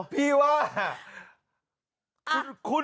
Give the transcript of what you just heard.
พี่ว่า